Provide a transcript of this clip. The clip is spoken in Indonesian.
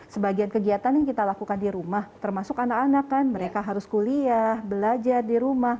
sebagian kegiatan yang kita lakukan di rumah termasuk anak anak kan mereka harus kuliah belajar di rumah